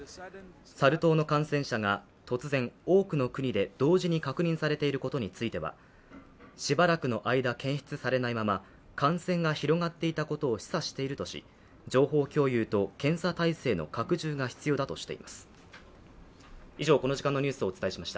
サル痘の感染者が突然多くの国で同時に確認されていることについては、しばらくの間、検出されないまま感染が広がっていたことを示唆しているとし、情報共有と検査体制の拡充が必要だとしています。